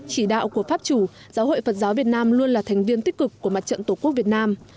chỉ đạo của pháp chủ giáo hội phật giáo việt nam luôn là thành viên tích cực của mặt trận tổ quốc việt nam